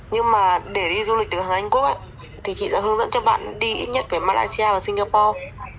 nhưng mà để đi du lịch được hàng anh quốc thì chị sẽ hướng dẫn cho bạn đi ít nhất về malaysia và singapore